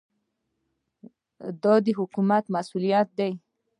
دا د حکومت مسوولیت دی.